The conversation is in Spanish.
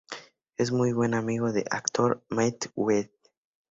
Es muy buen amigo del actor Matthew Goode.